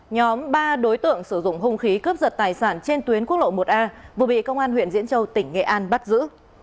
nhóm ba đối tượng sử dụng hung khí cướp giật tài sản trên tuyến quốc lộ một a vừa bị công an huyện diễn châu tỉnh nghệ an bắt giữ